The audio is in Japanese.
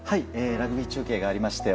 ラグビー中継がありまして